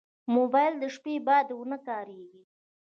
موبایل د شپې باید ونه کارېږي.